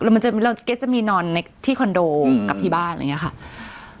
มันจะมีเราก็จะมีนอนในที่คอนโดกลับที่บ้านอะไรอย่างเงี้ยค่ะ